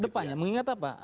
kedepannya mengingat apa